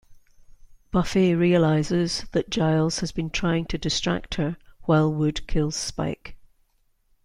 Buffy realizes that Giles has been trying to distract her while Wood kills Spike.